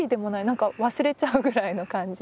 何か忘れちゃうぐらいの感じ。